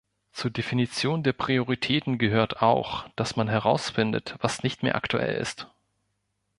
Zur Definition der Prioritäten gehört auch, dass man herausfindet, was nicht mehr aktuell ist.